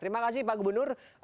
terima kasih pak gubernur